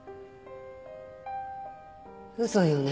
嘘よね？